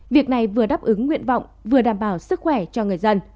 việc này vừa đáp ứng nguyện vọng vừa đảm bảo sức khỏe cho người dân